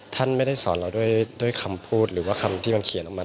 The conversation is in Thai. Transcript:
ท่านไม่ได้สอนเราด้วยคำพูดหรือว่าคำที่มันเขียนออกมา